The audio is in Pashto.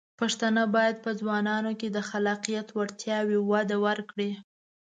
پښتانه بايد په ځوانانو کې د خلاقیت وړتیاوې وده ورکړي.